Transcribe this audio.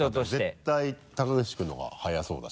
絶対高岸君のが速そうだし。